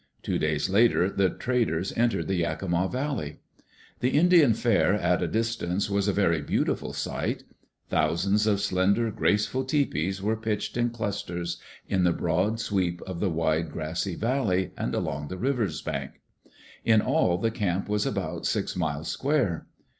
Two days later the traders entered the Yakima Valley. The Indian fair at a distance was a very beautiful sight. Thousands of slender, graceful tepees were pitched in clusters in the broad sweep of the wide grassy valley and along the river's bank. In all, die camp was about six miles square.